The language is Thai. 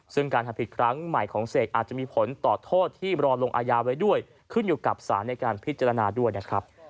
ซึ่งการทำผิดครั้งใหม่ของเสกอาจจะมีผลต่อโทษที่รอลงอายาไว้ด้วยขึ้นอยู่กับสารในการพิจารณาด้วยนะครับ